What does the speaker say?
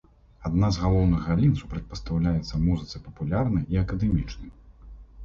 Адна з галоўных галін, супрацьпастаўляецца музыцы папулярнай і акадэмічнай.